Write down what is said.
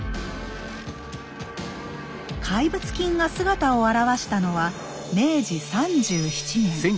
怪物金が姿を現したのは明治３７年。